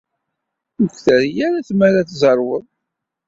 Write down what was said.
Ur k-terri ara tmara ad tzerwed.